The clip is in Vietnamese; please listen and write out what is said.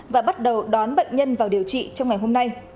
và bắt đầu đón bệnh nhân vào điều trị trong ngày hôm nay